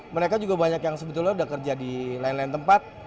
mereka juga banyak yang sebetulnya sudah kerja di lain lain tempat